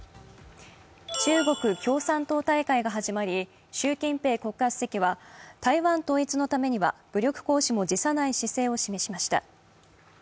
中国共産党大会が始まり習近平国家主席は台湾統一のためには武力行使も辞さない姿勢を示しました。